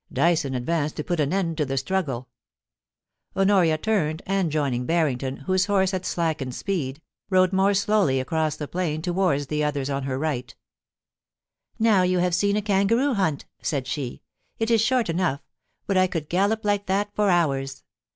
Dyson advanced to put an end to the struggle Honoria turned, and, joining Harrington, whose horse had slackened speed, rode more slowly across the plain towards the others on her right * Now you have seen a kangaroo hunt,' said she. * It is short enough ; but I could gallop like that for hours.